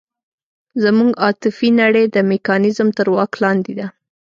زموږ عاطفي نړۍ د میکانیزم تر واک لاندې ده.